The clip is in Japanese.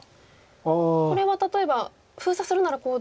これは例えば封鎖するならこうですが。